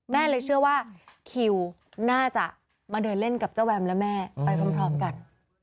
แม่เลยเชื่อว่าคิวน่าจะมาเดินเล่นกับเจ้าแวมและแม่ไปพร้อมกัน